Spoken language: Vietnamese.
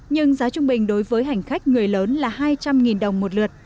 nhưng giá trung bình đối với hành khách người lớn là hai trăm linh đồng một lượt